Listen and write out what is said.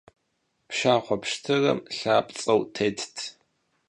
Pşşaxhue pşıtırım lhapts'eu têtt.